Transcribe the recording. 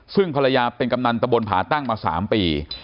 ซึ่งภรรยาเป็นกำนันตะบนผาตั้งมา๓ปี